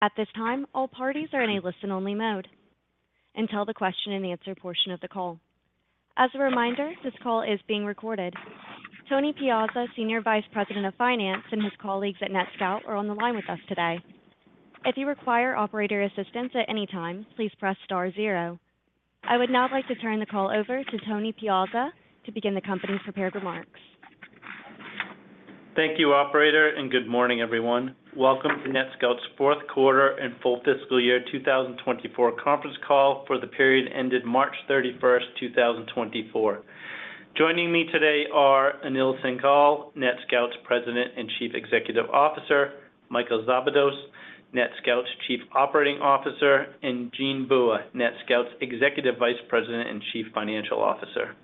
At this time, all parties are in a listen-only mode until the question-and-answer portion of the call. As a reminder, this call is being recorded. Tony Piazza, Senior Vice President of Finance, and his colleagues at NETSCOUT are on the line with us today. If you require operator assistance at any time, please press star zero. I would now like to turn the call over to Tony Piazza to begin the company's prepared remarks. Thank you, operator, and good morning, everyone. Welcome to NETSCOUT's Fourth Quarter and Full Fiscal Year 2024 Conference Call for the period ended March 31st, 2024. Joining me today are Anil Singhal, NETSCOUT's President and Chief Executive Officer; Michael Szabados, NETSCOUT's Chief Operating Officer; and Jean Bua, NETSCOUT's Executive Vice President and Chief Financial Officer.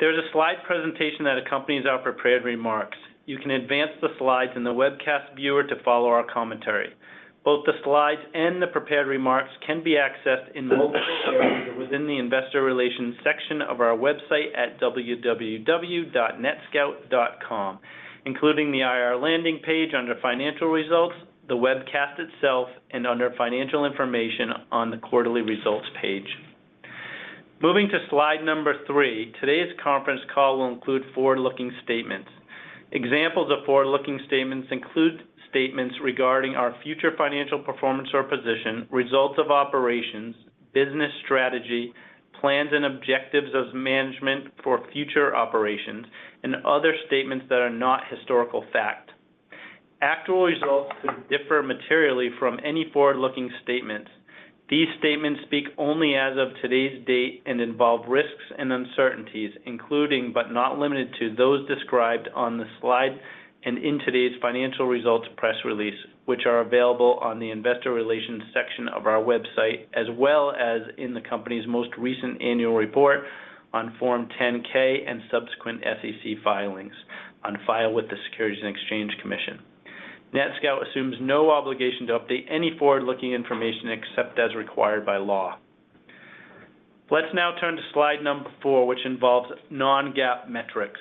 There's a slide presentation that accompanies our prepared remarks. You can advance the slides in the webcast viewer to follow our commentary. Both the slides and the prepared remarks can be accessed in multiple areas within the Investor Relations section of our website at www.netscout.com, including the IR landing page under Financial Results, the webcast itself, and under Financial Information on the Quarterly Results page. Moving to slide number three, today's conference call will include forward-looking statements. Examples of forward-looking statements include statements regarding our future financial performance or position, results of operations, business strategy, plans and objectives of management for future operations, and other statements that are not historical fact. Actual results could differ materially from any forward-looking statements. These statements speak only as of today's date and involve risks and uncertainties, including but not limited to those described on the slide and in today's Financial Results press release, which are available on the Investor Relations section of our website as well as in the company's most recent annual report on Form 10-K and subsequent SEC filings on file with the Securities and Exchange Commission. NETSCOUT assumes no obligation to update any forward-looking information except as required by law. Let's now turn to Slide 4, which involves non-GAAP metrics.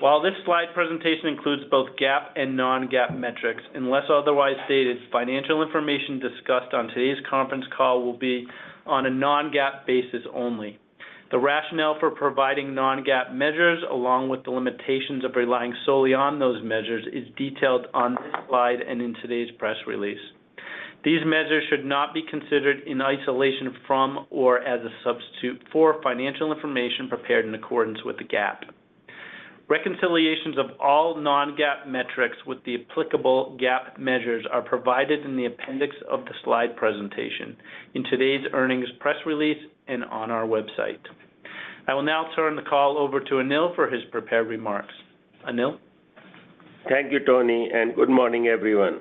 While this slide presentation includes both GAAP and non-GAAP metrics, unless otherwise stated, financial information discussed on today's conference call will be on a non-GAAP basis only. The rationale for providing non-GAAP measures, along with the limitations of relying solely on those measures, is detailed on this slide and in today's press release. These measures should not be considered in isolation from or as a substitute for financial information prepared in accordance with the GAAP. Reconciliations of all non-GAAP metrics with the applicable GAAP measures are provided in the appendix of the slide presentation, in today's earnings press release, and on our website. I will now turn the call over to Anil for his prepared remarks. Anil? Thank you, Tony, and good morning, everyone.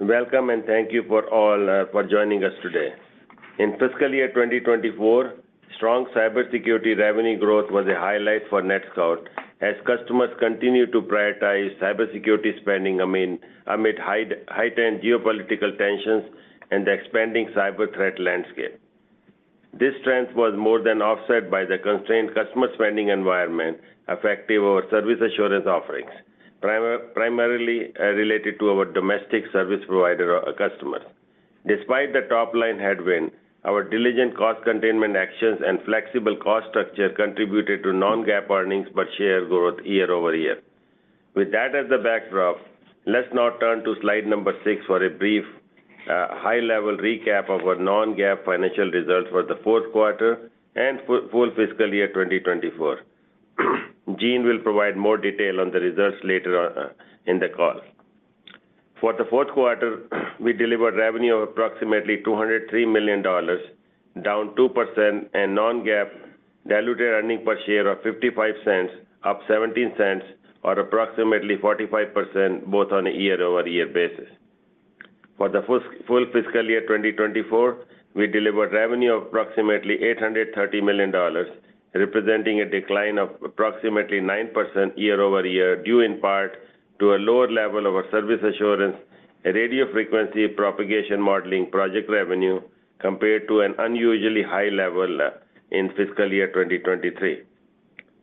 Welcome, and thank you all for joining us today. In fiscal year 2024, strong cybersecurity revenue growth was a highlight for NETSCOUT as customers continued to prioritize cybersecurity spending amid heightened geopolitical tensions and the expanding cyber threat landscape. This trend was more than offset by the constrained customer spending environment affecting our service assurance offerings, primarily related to our domestic service provider customers. Despite the top-line headwind, our diligent cost containment actions and flexible cost structure contributed to non-GAAP earnings per share growth year-over-year. With that as the backdrop, let's now turn to Slide 6 for a brief, high-level recap of our non-GAAP financial results for the fourth quarter and full fiscal year 2024. Jean will provide more detail on the results later in the call. For the fourth quarter, we delivered revenue of approximately $203 million, down 2%, and non-GAAP diluted earnings per share of $0.55, up $0.17, or approximately 45% both on a year-over-year basis. For the full fiscal year 2024, we delivered revenue of approximately $830 million, representing a decline of approximately 9% year-over-year due in part to a lower level of our service assurance radio frequency propagation modeling project revenue compared to an unusually high level in fiscal year 2023.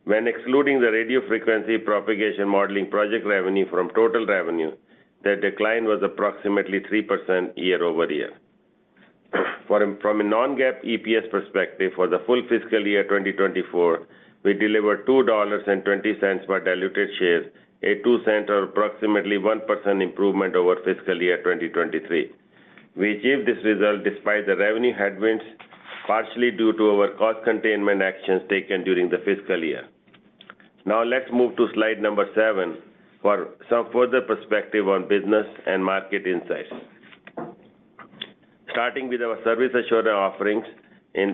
When excluding the radio frequency propagation modeling project revenue from total revenue, that decline was approximately 3% year-over-year. From a non-GAAP EPS perspective, for the full fiscal year 2024, we delivered $2.20 per diluted share, a $0.02 or approximately 1% improvement over fiscal year 2023. We achieved this result despite the revenue headwinds, partially due to our cost containment actions taken during the fiscal year. Now, let's move to Slide 7 for some further perspective on business and market insights. Starting with our service assurance offerings in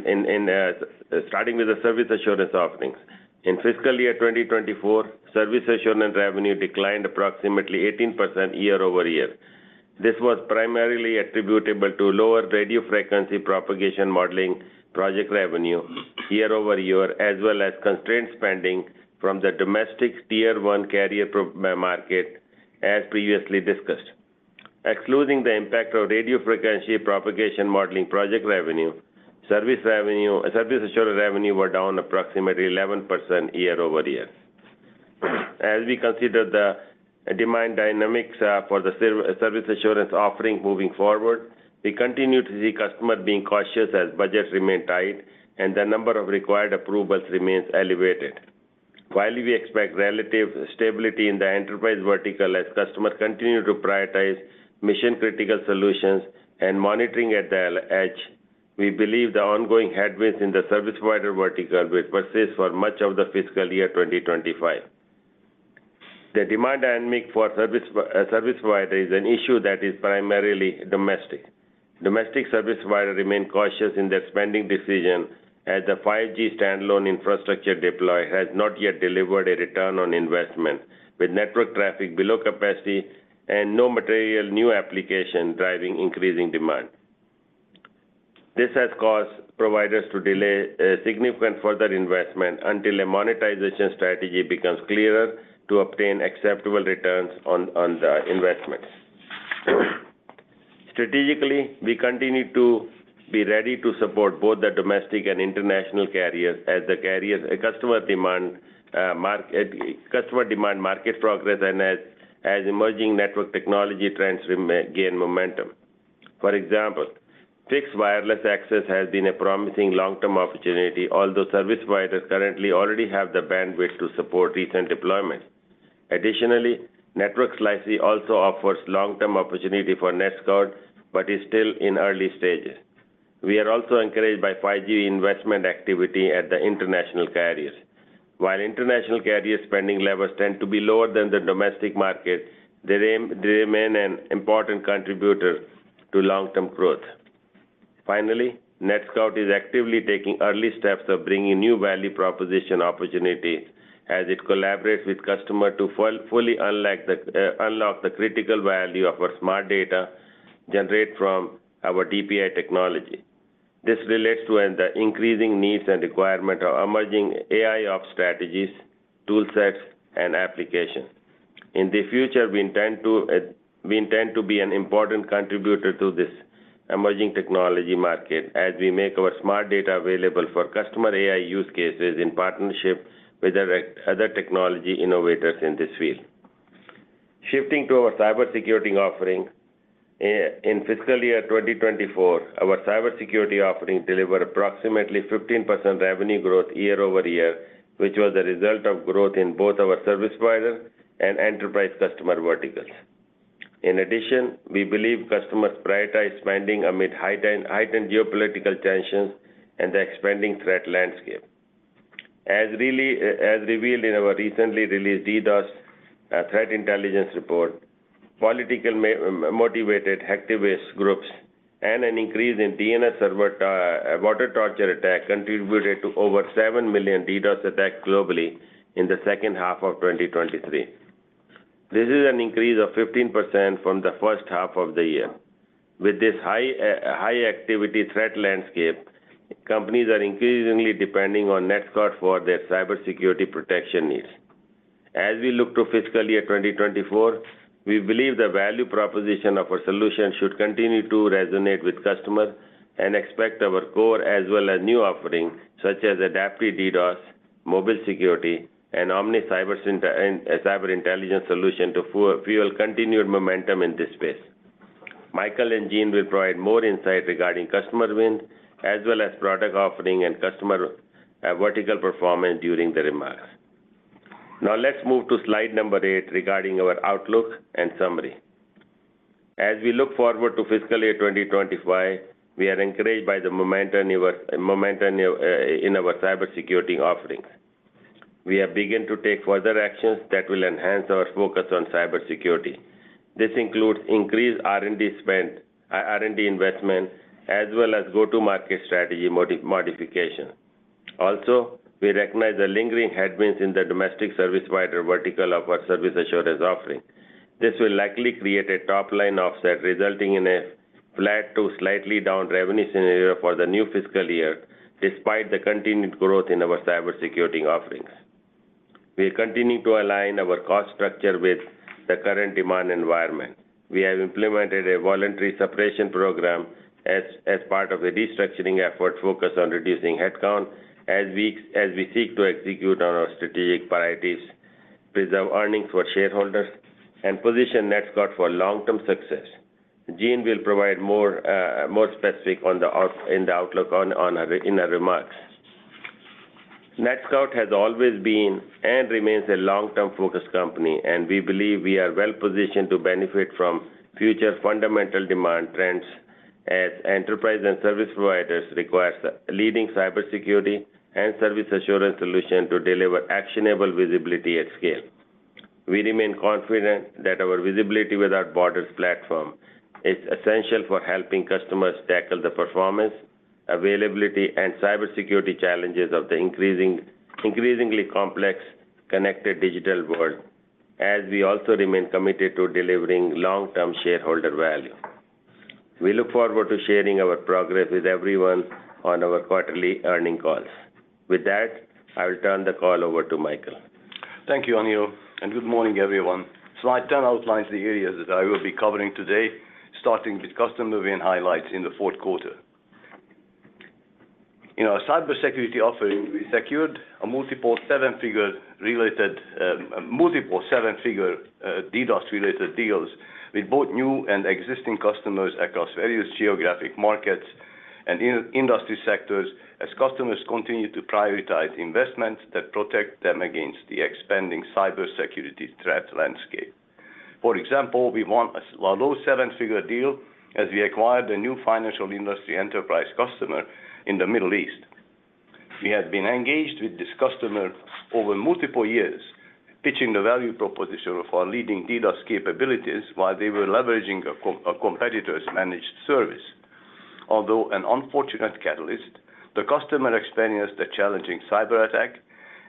fiscal year 2024, service assurance revenue declined approximately 18% year-over-year. This was primarily attributable to lower radio frequency propagation modeling project revenue year-over-year as well as constrained spending from the domestic Tier 1 carrier market, as previously discussed. Excluding the impact of radio frequency propagation modeling project revenue, service assurance revenue was down approximately 11% year-over-year. As we consider the demand dynamics for the service assurance offering moving forward, we continue to see customers being cautious as budgets remain tight and the number of required approvals remains elevated. While we expect relative stability in the enterprise vertical as customers continue to prioritize mission-critical solutions and monitoring at the edge, we believe the ongoing headwinds in the service provider vertical will persist for much of the fiscal year 2025. The demand dynamic for service providers is an issue that is primarily domestic. Domestic service providers remain cautious in their spending decisions as the 5G Standalone infrastructure deployment has not yet delivered a return on investment, with network traffic below capacity and no material new application driving increasing demand. This has caused providers to delay significant further investment until a monetization strategy becomes clearer to obtain acceptable returns on the investment. Strategically, we continue to be ready to support both the domestic and international carriers as customer demand market progress and as emerging network technology trends gain momentum. For example, fixed wireless access has been a promising long-term opportunity, although service providers currently already have the bandwidth to support recent deployments. Additionally, network slicing also offers long-term opportunity for NETSCOUT but is still in early stages. We are also encouraged by 5G investment activity at the international carriers. While international carriers' spending levels tend to be lower than the domestic market, they remain an important contributor to long-term growth. Finally, NETSCOUT is actively taking early steps of bringing new value proposition opportunities as it collaborates with customers to fully unlock the critical value of our smart data generated from our DPI technology. This relates to the increasing needs and requirements of emerging AIOps strategies, toolsets, and applications. In the future, we intend to be an important contributor to this emerging technology market as we make our smart data available for customer AI use cases in partnership with other technology innovators in this field. Shifting to our cybersecurity offering, in fiscal year 2024, our cybersecurity offerings delivered approximately 15% revenue growth year-over-year, which was the result of growth in both our service provider and enterprise customer verticals. In addition, we believe customers prioritize spending amid heightened geopolitical tensions and the expanding threat landscape. As revealed in our recently released DDoS threat intelligence report, politically motivated hacktivist groups and an increase in DNS Water Torture attacks contributed to over 7 million DDoS attacks globally in the second half of 2023. This is an increase of 15% from the first half of the year. With this high-activity threat landscape, companies are increasingly depending on NETSCOUT for their cybersecurity protection needs. As we look to fiscal year 2024, we believe the value proposition of our solutions should continue to resonate with customers and expect our core as well as new offerings such as Adaptive DDoS, mobile security, and Omnis Cyber Intelligence solutions to fuel continued momentum in this space. Michael and Jean will provide more insight regarding customer wins as well as product offerings and customer vertical performance during the remarks. Now, let's move to Slide 8 regarding our outlook and summary. As we look forward to fiscal year 2025, we are encouraged by the momentum in our cybersecurity offerings. We have begun to take further actions that will enhance our focus on cybersecurity. This includes increased R&D investment as well as go-to-market strategy modification. Also, we recognize the lingering headwinds in the domestic service provider vertical of our service assurance offering. This will likely create a top-line offset resulting in a flat to slightly down revenue scenario for the new fiscal year despite the continued growth in our cybersecurity offerings. We are continuing to align our cost structure with the current demand environment. We have implemented a voluntary separation program as part of a restructuring effort focused on reducing headcount as we seek to execute on our strategic priorities, preserve earnings for shareholders, and position NETSCOUT for long-term success. Jean will provide more specifics in the outlook in her remarks. NETSCOUT has always been and remains a long-term focused company, and we believe we are well positioned to benefit from future fundamental demand trends as enterprise and service providers require leading cybersecurity and service assurance solutions to deliver actionable visibility at scale. We remain confident that our Visibility Without Borders platform is essential for helping customers tackle the performance, availability, and cybersecurity challenges of the increasingly complex connected digital world, as we also remain committed to delivering long-term shareholder value. We look forward to sharing our progress with everyone on our quarterly earnings calls. With that, I will turn the call over to Michael. Thank you, Anil, and good morning, everyone. Slide 10 outlines the areas that I will be covering today, starting with customer win highlights in the fourth quarter. In our cybersecurity offering, we secured multiple seven-figure DDoS-related deals with both new and existing customers across various geographic markets and industry sectors as customers continue to prioritize investments that protect them against the expanding cybersecurity threat landscape. For example, we won a low seven-figure deal as we acquired a new financial industry enterprise customer in the Middle East. We had been engaged with this customer over multiple years, pitching the value proposition of our leading DDoS capabilities while they were leveraging a competitor's managed service. Although an unfortunate catalyst, the customer experienced a challenging cyber attack,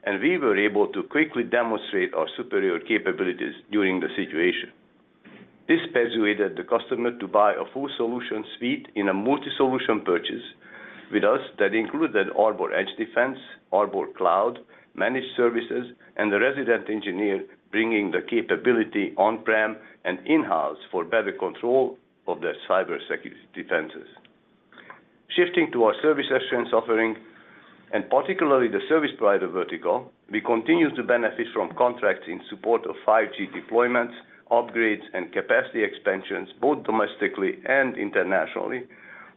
and we were able to quickly demonstrate our superior capabilities during the situation. This persuaded the customer to buy a full solution suite in a multi-solution purchase with us that included Arbor Edge Defense, Arbor Cloud, managed services, and the resident engineer bringing the capability on-prem and in-house for better control of their cybersecurity defenses. Shifting to our service assurance offering and particularly the service provider vertical, we continue to benefit from contracts in support of 5G deployments, upgrades, and capacity expansions both domestically and internationally,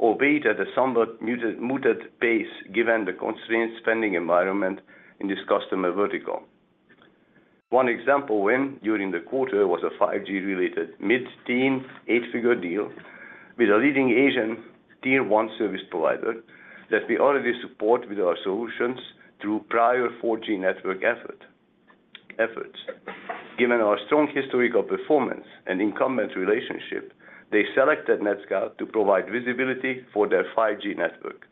albeit at a somewhat muted pace given the constrained spending environment in this customer vertical. One example win during the quarter was a 5G-related mid-teen, eight-figure deal with a leading Asian Tier 1 service provider that we already support with our solutions through prior 4G network efforts. Given our strong historical performance and incumbent relationship, they selected NETSCOUT to provide visibility for their 5G network.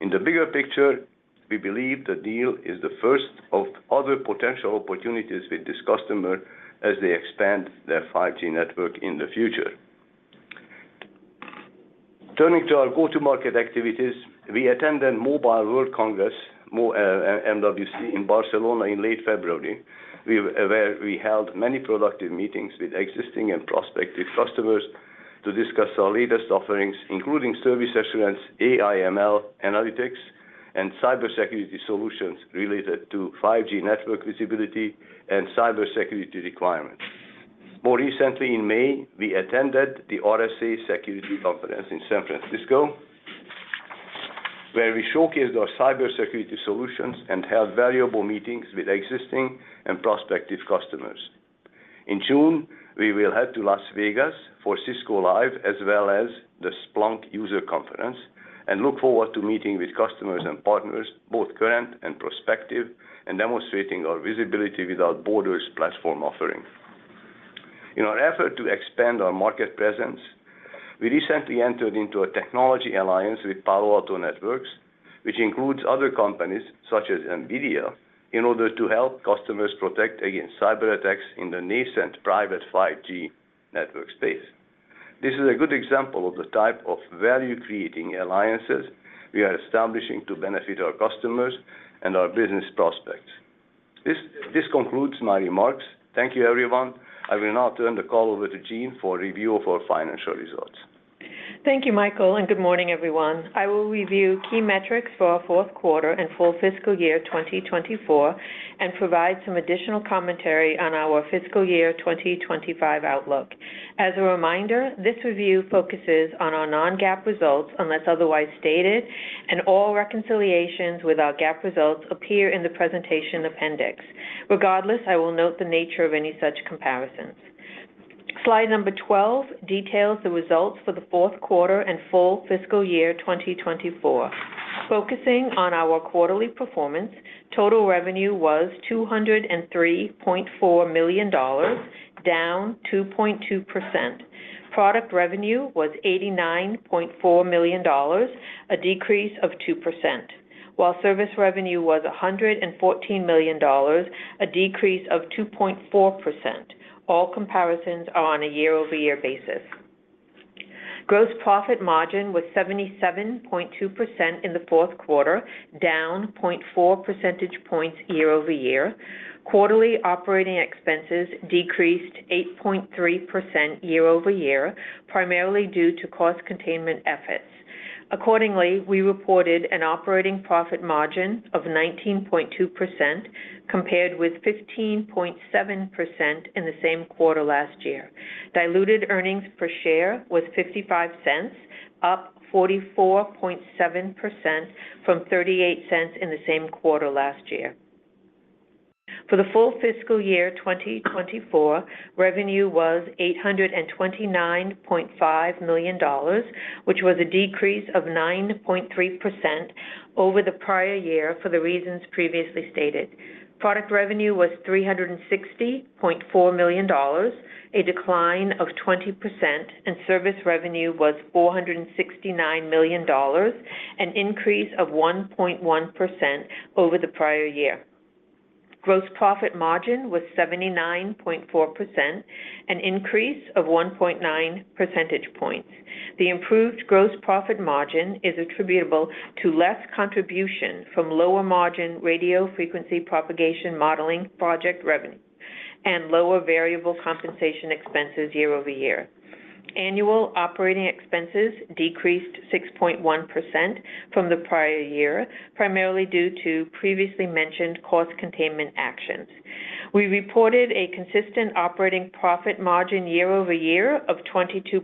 In the bigger picture, we believe the deal is the first of other potential opportunities with this customer as they expand their 5G network in the future. Turning to our go-to-market activities, we attended Mobile World Congress, MWC, in Barcelona in late February, where we held many productive meetings with existing and prospective customers to discuss our latest offerings, including service assurance, AI/ML analytics, and cybersecurity solutions related to 5G network visibility and cybersecurity requirements. More recently, in May, we attended the RSA Security Conference in San Francisco, where we showcased our cybersecurity solutions and held valuable meetings with existing and prospective customers. In June, we will head to Las Vegas for Cisco Live as well as the Splunk User Conference and look forward to meeting with customers and partners, both current and prospective, and demonstrating our Visibility Without Borders platform offering. In our effort to expand our market presence, we recently entered into a technology alliance with Palo Alto Networks, which includes other companies such as NVIDIA, in order to help customers protect against cyber attacks in the nascent private 5G network space. This is a good example of the type of value-creating alliances we are establishing to benefit our customers and our business prospects. This concludes my remarks. Thank you, everyone. I will now turn the call over to Jean for review of our financial results. Thank you, Michael, and good morning, everyone. I will review key metrics for our fourth quarter and full fiscal year 2024 and provide some additional commentary on our fiscal year 2025 outlook. As a reminder, this review focuses on our non-GAAP results unless otherwise stated, and all reconciliations with our GAAP results appear in the presentation appendix. Regardless, I will note the nature of any such comparisons. Slide 12 details the results for the fourth quarter and full fiscal year 2024. Focusing on our quarterly performance, total revenue was $203.4 million, down 2.2%. Product revenue was $89.4 million, a decrease of 2%, while service revenue was $114 million, a decrease of 2.4%. All comparisons are on a year-over-year basis. Gross profit margin was 77.2% in the fourth quarter, down 0.4 percentage points year-over-year. Quarterly operating expenses decreased 8.3% year-over-year, primarily due to cost containment efforts. Accordingly, we reported an operating profit margin of 19.2% compared with 15.7% in the same quarter last year. Diluted earnings per share was $0.55, up 44.7% from $0.38 in the same quarter last year. For the full fiscal year 2024, revenue was $829.5 million, which was a decrease of 9.3% over the prior year for the reasons previously stated. Product revenue was $360.4 million, a decline of 20%, and service revenue was $469 million, an increase of 1.1% over the prior year. Gross profit margin was 79.4%, an increase of 1.9 percentage points. The improved gross profit margin is attributable to less contribution from lower margin radio frequency propagation modeling project revenue and lower variable compensation expenses year-over-year. Annual operating expenses decreased 6.1% from the prior year, primarily due to previously mentioned cost containment actions. We reported a consistent operating profit margin year-over-year of 22.6%.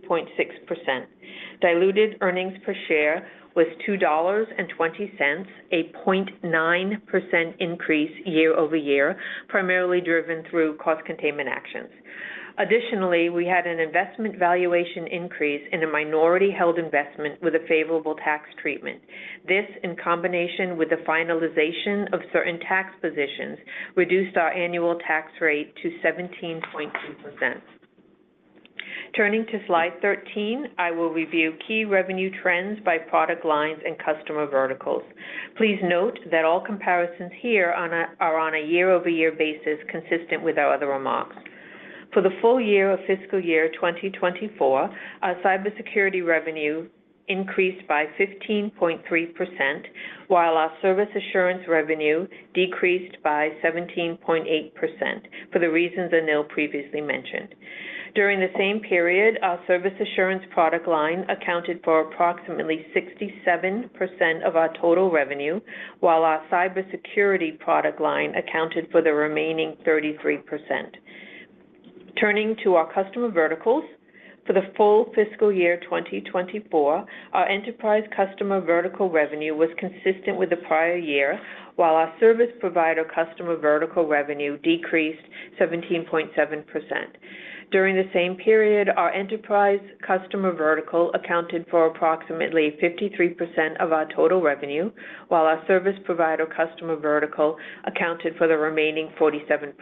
Diluted earnings per share was $2.20, a 0.9% increase year-over-year, primarily driven through cost containment actions. Additionally, we had an investment valuation increase in a minority held investment with a favorable tax treatment. This, in combination with the finalization of certain tax positions, reduced our annual tax rate to 17.2%. Turning to Slide 13, I will review key revenue trends by product lines and customer verticals. Please note that all comparisons here are on a year-over-year basis consistent with our other remarks. For the full year of fiscal year 2024, our cybersecurity revenue increased by 15.3%, while our service assurance revenue decreased by 17.8% for the reasons Anil previously mentioned. During the same period, our service assurance product line accounted for approximately 67% of our total revenue, while our cybersecurity product line accounted for the remaining 33%. Turning to our customer verticals, for the full fiscal year 2024, our enterprise customer vertical revenue was consistent with the prior year, while our service provider customer vertical revenue decreased 17.7%. During the same period, our enterprise customer vertical accounted for approximately 53% of our total revenue, while our service provider customer vertical accounted for the remaining 47%.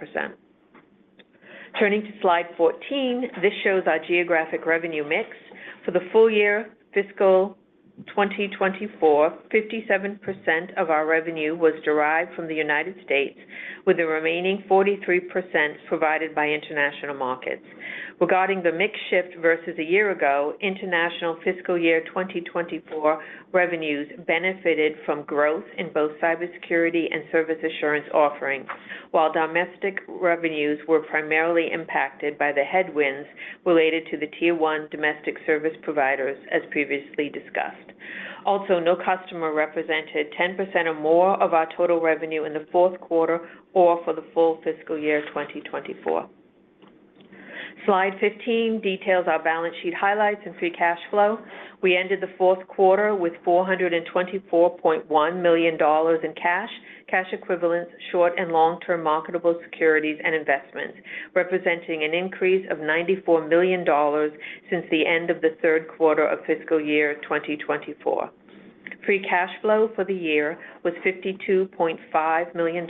Turning to Slide 14, this shows our geographic revenue mix. For the full year fiscal 2024, 57% of our revenue was derived from the United States, with the remaining 43% provided by international markets. Regarding the mix shift versus a year ago, international fiscal year 2024 revenues benefited from growth in both cybersecurity and service assurance offerings, while domestic revenues were primarily impacted by the headwinds related to the Tier 1 domestic service providers, as previously discussed. Also, no customer represented 10% or more of our total revenue in the fourth quarter or for the full fiscal year 2024. Slide 15 details our balance sheet highlights and free cash flow. We ended the fourth quarter with $424.1 million in cash, cash equivalents, short and long-term marketable securities, and investments, representing an increase of $94 million since the end of the third quarter of fiscal year 2024. Free cash flow for the year was $52.5 million.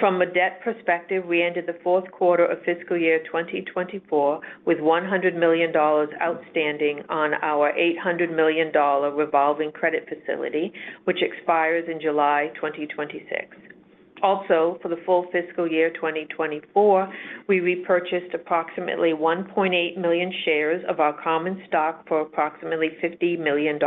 From a debt perspective, we ended the fourth quarter of fiscal year 2024 with $100 million outstanding on our $800 million revolving credit facility, which expires in July 2026. Also, for the full fiscal year 2024, we repurchased approximately 1.8 million shares of our common stock for approximately $50 million.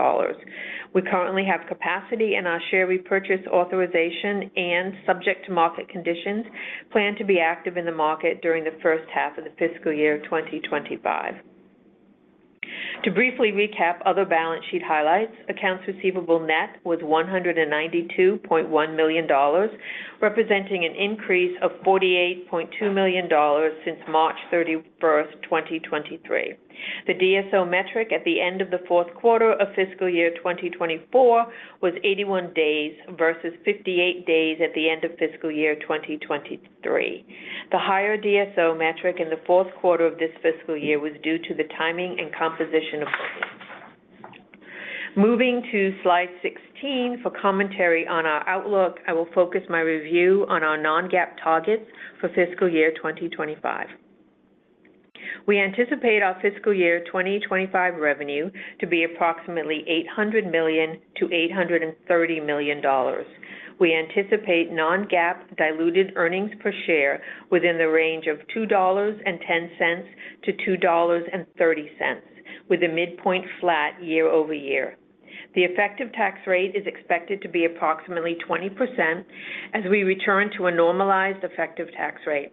We currently have capacity and our share repurchase authorization and, subject to market conditions, plan to be active in the market during the first half of the fiscal year 2025. To briefly recap other balance sheet highlights, accounts receivable net was $192.1 million, representing an increase of $48.2 million since March 31, 2023. The DSO metric at the end of the fourth quarter of fiscal year 2024 was 81 days versus 58 days at the end of fiscal year 2023. The higher DSO metric in the fourth quarter of this fiscal year was due to the timing and composition of revenue. Moving to Slide 16 for commentary on our outlook, I will focus my review on our non-GAAP targets for fiscal year 2025. We anticipate our fiscal year 2025 revenue to be approximately $800 million-$830 million. We anticipate non-GAAP diluted earnings per share within the range of $2.10-$2.30, with a midpoint flat year-over-year. The effective tax rate is expected to be approximately 20% as we return to a normalized effective tax rate.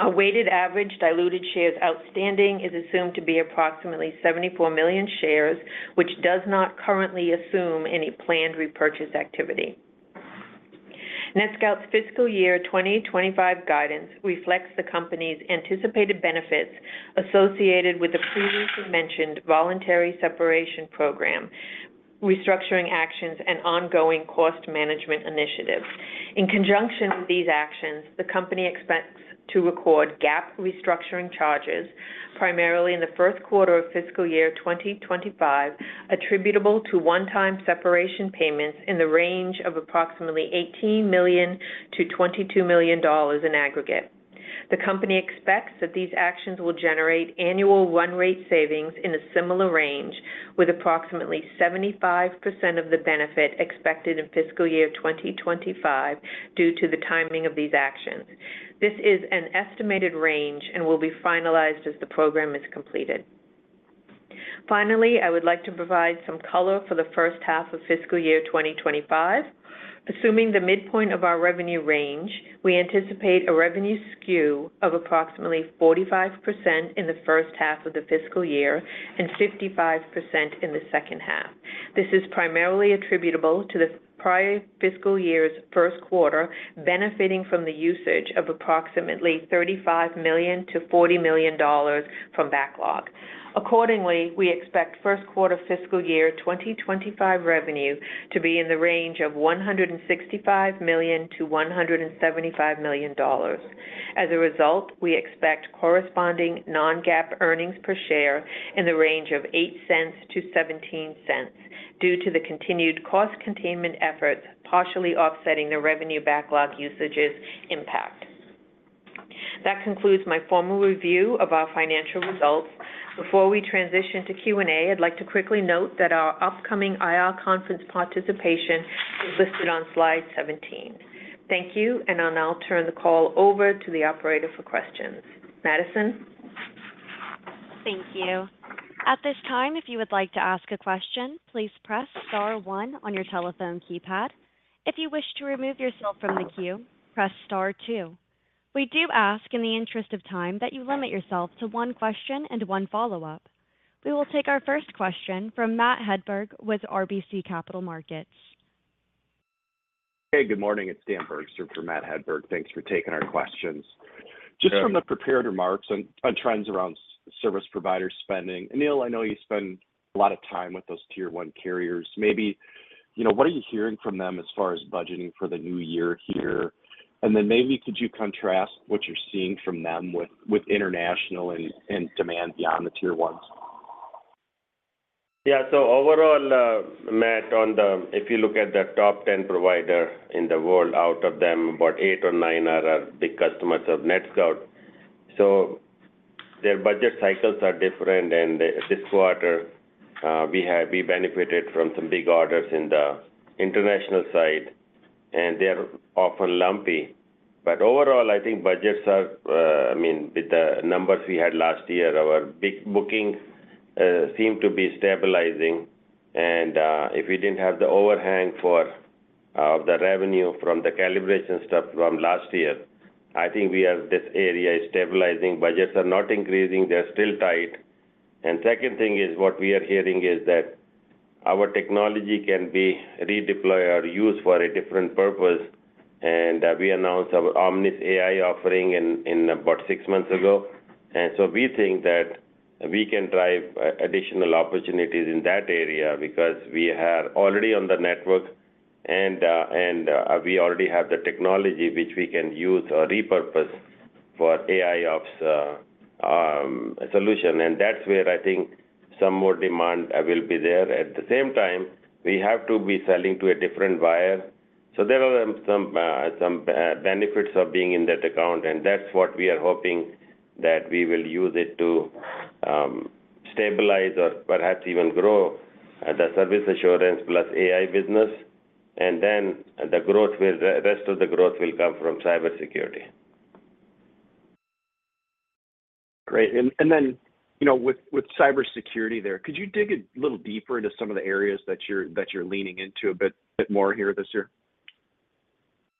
A weighted average diluted shares outstanding is assumed to be approximately 74 million shares, which does not currently assume any planned repurchase activity. NETSCOUT's fiscal year 2025 guidance reflects the company's anticipated benefits associated with the previously mentioned voluntary separation program, restructuring actions, and ongoing cost management initiatives. In conjunction with these actions, the company expects to record GAAP restructuring charges, primarily in the first quarter of fiscal year 2025, attributable to one-time separation payments in the range of approximately $18 million-$22 million in aggregate. The company expects that these actions will generate annual run rate savings in a similar range, with approximately 75% of the benefit expected in fiscal year 2025 due to the timing of these actions. This is an estimated range and will be finalized as the program is completed. Finally, I would like to provide some color for the first half of fiscal year 2025. Assuming the midpoint of our revenue range, we anticipate a revenue skew of approximately 45% in the first half of the fiscal year and 55% in the second half. This is primarily attributable to the prior fiscal year's first quarter benefiting from the usage of approximately $35 million-$40 million from backlog. Accordingly, we expect first quarter fiscal year 2025 revenue to be in the range of $165 million-$175 million. As a result, we expect corresponding non-GAAP earnings per share in the range of $0.08-$0.17 due to the continued cost containment efforts partially offsetting the revenue backlog usages impact. That concludes my formal review of our financial results. Before we transition to Q&A, I'd like to quickly note that our upcoming IR conference participation is listed on Slide 17. Thank you, and I'll now turn the call over to the operator for questions. Madison? Thank you. At this time, if you would like to ask a question, please press star one on your telephone keypad. If you wish to remove yourself from the queue, press star two. We do ask, in the interest of time, that you limit yourself to one question and one follow-up. We will take our first question from Matt Hedberg with RBC Capital Markets. Hey, good morning. It's Dan Bergstrom for Matt Hedberg. Thanks for taking our questions. Just from the prepared remarks on trends around service provider spending, Anil, I know you spend a lot of time with those Tier 1 carriers. What are you hearing from them as far as budgeting for the new year here? And then maybe could you contrast what you're seeing from them with international and demand beyond the tier ones? Yeah. So overall, Matt, if you look at the top 10 providers in the world, out of them, about eight or nine are big customers of NETSCOUT. So their budget cycles are different, and this quarter, we benefited from some big orders in the international side, and they're often lumpy. But overall, I think budgets are—I mean, with the numbers we had last year, our bookings seemed to be stabilizing. And if we didn't have the overhang of the revenue from the calibration stuff from last year, I think this area is stabilizing. Budgets are not increasing. They're still tight. And second thing is what we are hearing is that our technology can be redeployed or used for a different purpose. And we announced our Omnis AI offering about six months ago. So we think that we can drive additional opportunities in that area because we are already on the network, and we already have the technology which we can use or repurpose for AIOps solution. And that's where I think some more demand will be there. At the same time, we have to be selling to a different buyer. So there are some benefits of being in that account, and that's what we are hoping that we will use it to stabilize or perhaps even grow the service assurance plus AI business. And then the growth will the rest of the growth will come from cybersecurity. Great. And then with cybersecurity there, could you dig a little deeper into some of the areas that you're leaning into a bit more here this year?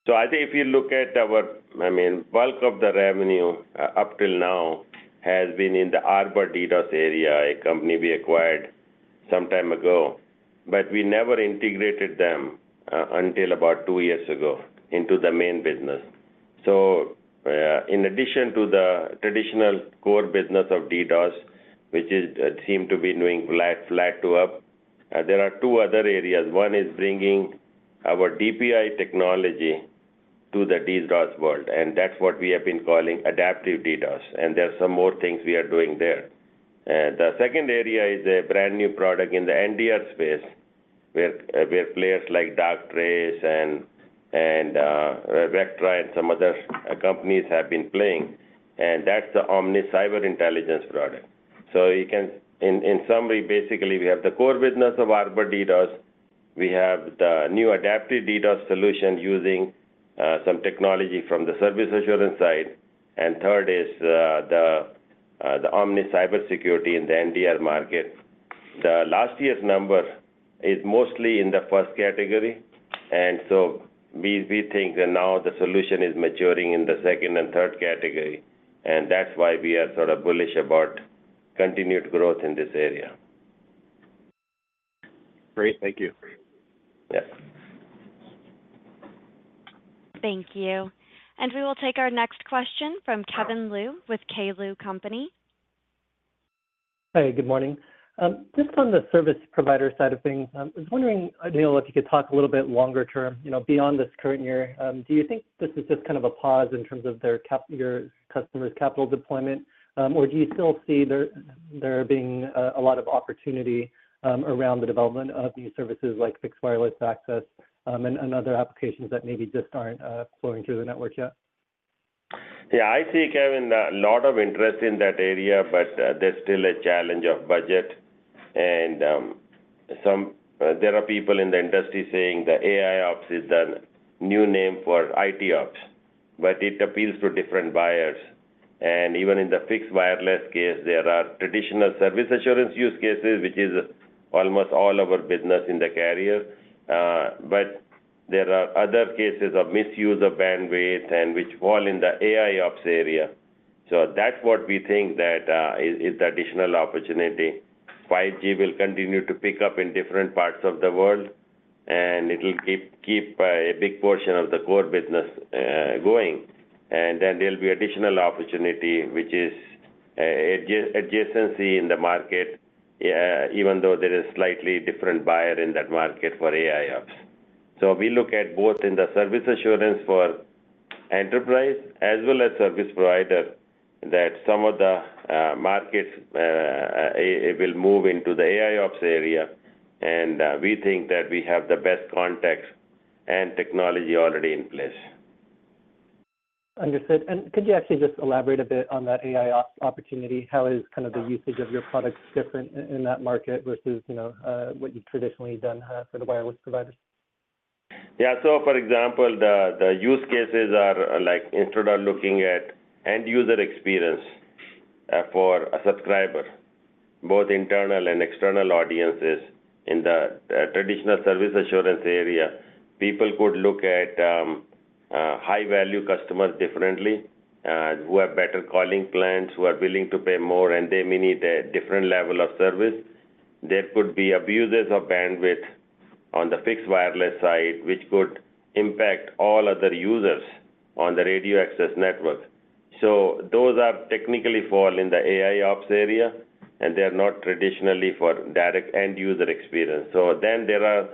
So I think if you look at our I mean, bulk of the revenue up till now has been in the Arbor DDoS area, a company we acquired some time ago. But we never integrated them until about two years ago into the main business. So in addition to the traditional core business of DDoS, which seemed to be doing flat to up, there are two other areas. One is bringing our DPI technology to the DDoS world, and that's what we have been calling Adaptive DDoS. And there are some more things we are doing there. The second area is a brand new product in the NDR space where players like Darktrace and Vectra and some other companies have been playing. And that's the Omnis Cyber Intelligence product. So in summary, basically, we have the core business of Arbor DDoS. We have the new Adaptive DDoS solution using some technology from the service assurance side. And third is the Omnis cybersecurity in the NDR market. The last year's number is mostly in the first category. And so we think that now the solution is maturing in the second and third category. And that's why we are sort of bullish about continued growth in this area. Great. Thank you. Yep. Thank you. We will take our next question from Kevin Liu with K. Liu & Company. Hey, good morning. Just on the service provider side of things, I was wondering, Anil, if you could talk a little bit longer-term, beyond this current year, do you think this is just kind of a pause in terms of your customers' capital deployment, or do you still see there being a lot of opportunity around the development of new services like fixed wireless access and other applications that maybe just aren't flowing through the network yet? Yeah. I see, Kevin, a lot of interest in that area, but there's still a challenge of budget. There are people in the industry saying the AIOps is the new name for ITOps, but it appeals to different buyers. Even in the fixed wireless case, there are traditional service assurance use cases, which is almost all our business in the carrier. But there are other cases of misuse of bandwidth which fall in the AIOps area. That's what we think that is the additional opportunity. 5G will continue to pick up in different parts of the world, and it will keep a big portion of the core business going. Then there'll be additional opportunity, which is adjacency in the market, even though there is a slightly different buyer in that market for AIOps. We look at both in the service assurance for enterprise as well as service provider that some of the markets will move into the AIOps area. We think that we have the best context and technology already in place. Understood. Could you actually just elaborate a bit on that AIOps opportunity? How is kind of the usage of your products different in that market versus what you've traditionally done for the wireless providers? Yeah. So for example, the use cases are like instead of looking at end-user experience for a subscriber, both internal and external audiences, in the traditional service assurance area, people could look at high-value customers differently who have better calling plans, who are willing to pay more, and they may need a different level of service. There could be abuses of bandwidth on the fixed wireless side, which could impact all other users on the radio access network. So those technically fall in the AIOps area, and they are not traditionally for direct end-user experience. So then there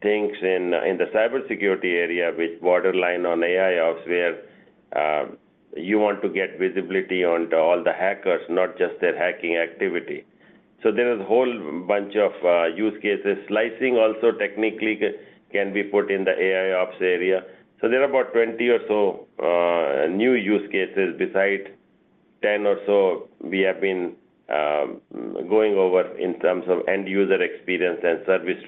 are things in the cybersecurity area which border on AIOps where you want to get visibility onto all the hackers, not just their hacking activity. So there is a whole bunch of use cases. Slicing also technically can be put in the AIOps area. There are about 20 or so new use cases. Besides 10 or so, we have been going over in terms of end-user experience and service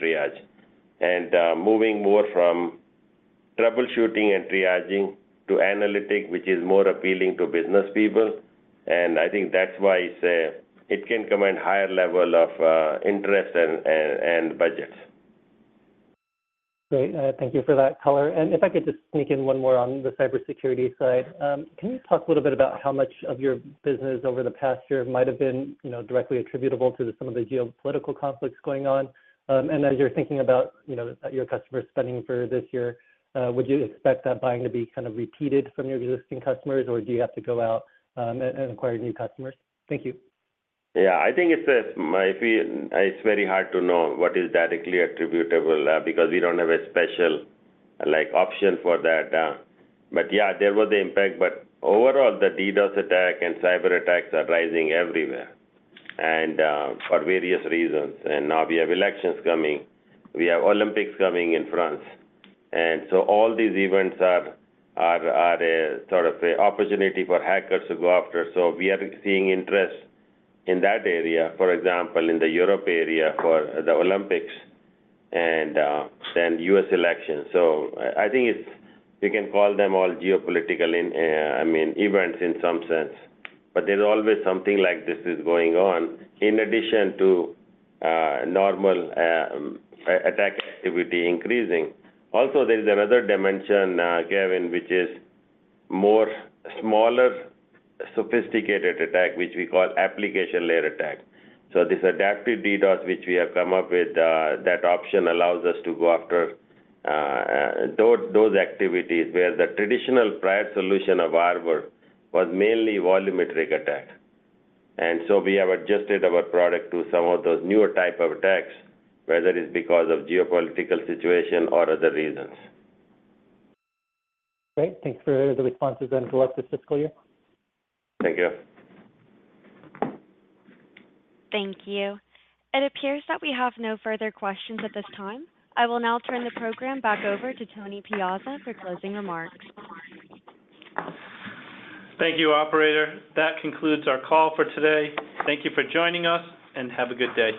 triage and moving more from troubleshooting and triaging to analytic, which is more appealing to business people. I think that's why I say it can command higher level of interest and budgets. Great. Thank you for that color. If I could just sneak in one more on the cybersecurity side, can you talk a little bit about how much of your business over the past year might have been directly attributable to some of the geopolitical conflicts going on? As you're thinking about your customer spending for this year, would you expect that buying to be kind of repeated from your existing customers, or do you have to go out and acquire new customers? Thank you. Yeah. I think it's very hard to know what is directly attributable because we don't have a special option for that. But yeah, there was the impact. But overall, the DDoS attacks and cyberattacks are rising everywhere for various reasons. And now we have elections coming. We have Olympics coming in France. And so all these events are sort of an opportunity for hackers to go after. So we are seeing interest in that area, for example, in the Europe area for the Olympics and then US elections. So I think you can call them all geopolitical, I mean, events in some sense. But there's always something like this is going on in addition to normal attack activity increasing. Also, there is another dimension, Kevin, which is a smaller sophisticated attack, which we call application layer attack. So this Adaptive DDoS, which we have come up with, that option allows us to go after those activities where the traditional prior solution of Arbor was mainly volumetric attack. And so we have adjusted our product to some of those newer type of attacks, whether it's because of geopolitical situation or other reasons. Great. Thanks for the responses and good luck this fiscal year. Thank you. Thank you. It appears that we have no further questions at this time. I will now turn the program back over to Tony Piazza for closing remarks. Thank you, operator. That concludes our call for today. Thank you for joining us, and have a good day.